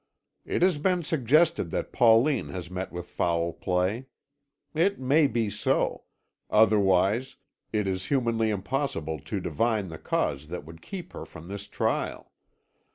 "It has been suggested that Pauline has met with foul play. It may be so; otherwise, it is humanly impossible to divine the cause that could keep her from this trial.